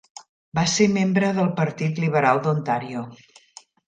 Va ser membre del Partit Liberal d'Ontario.